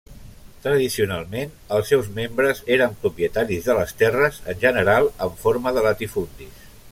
Tradicionalment, els seus membres eren propietaris de les terres, en general en forma de latifundis.